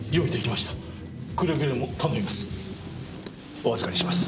お預りします。